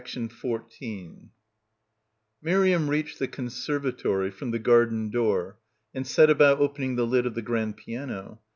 54 BACKWATER H Miriam reached the conservatory from the garden door and set about opening the lid of the grand piano.